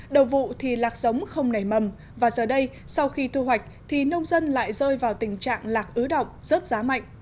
đầu vụ thì lạc giống không nảy mầm và giờ đây sau khi thu hoạch thì nông dân lại rơi vào tình trạng lạc ứ động rớt giá mạnh